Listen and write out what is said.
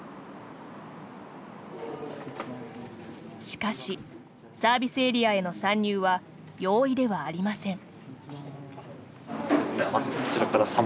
しかし、サービスエリアへの参入は容易ではありません。